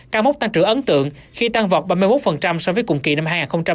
cao mốc tăng trưởng ấn tượng khi tăng vọt ba mươi một so với cùng kỳ năm hai nghìn hai mươi ba